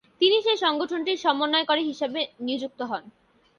তিনি সেই সংগঠনটির সমন্বয়কারী হিসেবে নিযুক্ত হন।